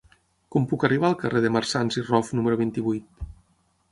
Com puc arribar al carrer de Marsans i Rof número vint-i-vuit?